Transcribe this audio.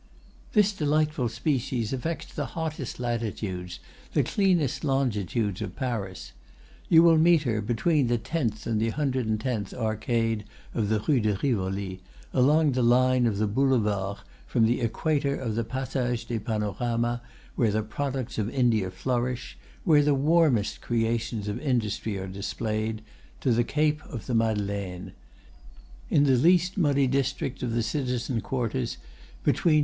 "This delightful species affects the hottest latitudes, the cleanest longitudes of Paris; you will meet her between the 10th and 110th Arcade of the Rue de Rivoli; along the line of the Boulevards from the equator of the Passage des Panoramas, where the products of India flourish, where the warmest creations of industry are displayed, to the Cape of the Madeleine; in the least muddy districts of the citizen quarters, between No.